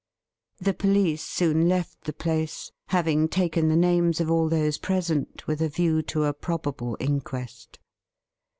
The police soon left the place, having taken the names of all those present with a view to a probable inquest.